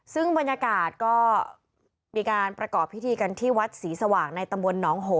ซึ่งบรรยากาศก็มีการประกอบพิธีกันที่วัดศรีสว่างในตำบลหนองโห